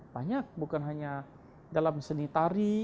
banyak bukan hanya dalam seni tari